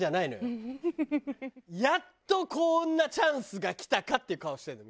やっとこんなチャンスが来たかっていう顔してるのよ